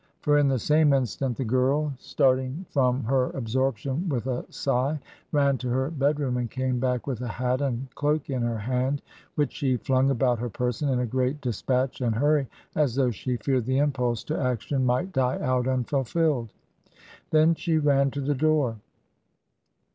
For in the same instant the girl, TRANSITION. 1 57 starting from her absorption with a sigh, ran to her bed room, and came back with a hat and cloak in her hand, which she flung about her person in a great despatch and hurry, as though she feared the impulse to action might die out unfulfilled. Then she ran to the door.